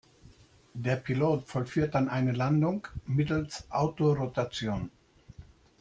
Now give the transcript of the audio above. Der Pilot vollführt dann eine Landung mittels Autorotation.